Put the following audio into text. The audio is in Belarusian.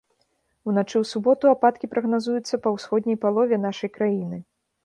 Уначы ў суботу ападкі прагназуюцца па ўсходняй палове нашай краіны.